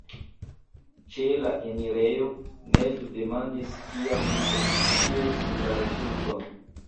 Ĉe la enirejo, Ned demandis kiam li ekscios la rezulton.